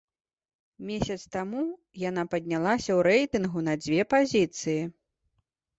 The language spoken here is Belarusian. Месяц таму яна паднялася ў рэйтынгу на дзве пазіцыі.